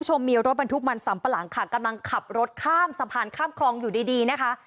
คุณผู้ชมมีรถบรรทุกมันสำปะหลังค่ะกำลังขับรถข้ามสะพานข้ามคลองอยู่ดีดีนะคะ